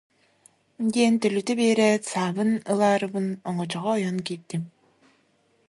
диэн төлүтэ биэрээт, саабын ылаарыбын оҥочоҕо ойон киирдим